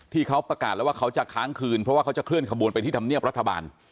ที่เขาประกาศแล้วว่าเขาจะค้างคืนเพราะว่าเขาจะเคลื่อขบวนไปที่ธรรมเนียบรัฐบาล